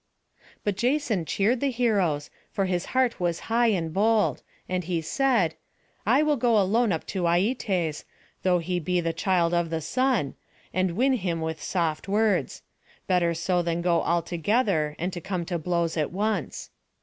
But Jason cheered the heroes, for his heart was high and bold; and he said: "I will go alone up to Aietes, though he be the child of the sun, and win him with soft words. Better so than to go altogether, and to come to blows at once."